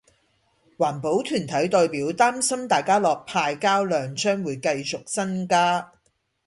環保團體代表擔心大家樂派膠量將會繼續增加